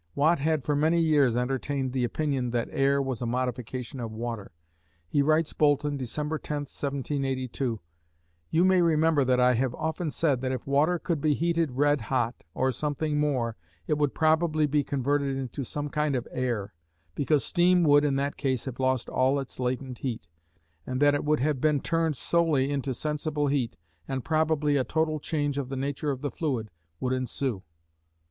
Watt had for many years entertained the opinion that air was a modification of water. He writes Boulton, December 10, 1782: You may remember that I have often said, that if water could be heated red hot or something more, it would probably be converted into some kind of air, because steam would in that case have lost all its latent heat, and that it would have been turned solely into sensible heat, and probably a total change of the nature of the fluid would ensue.